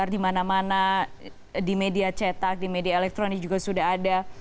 di media elektronik juga sudah ada